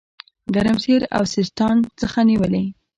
ګرمسېر او سیستان څخه نیولې.